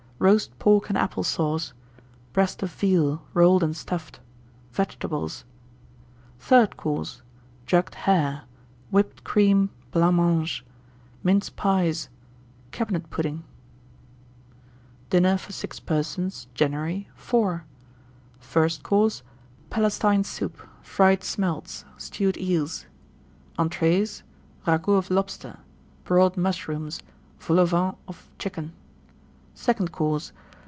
Roast Pork and Apple Sauce. Breast of Veal, Rolled and Stuffed. Vegetables. THIRD COURSE. Jugged Hare. Whipped Cream, Blancmange. Mince Pies. Cabinet Pudding. 1894. DINNER FOR 6 PERSONS (January). IV. FIRST COURSE. Palestine Soup. Fried Smelts. Stewed Eels. ENTREES. Ragoût of Lobster. Broiled Mushrooms. Vol au Vent of Chicken. SECOND COURSE.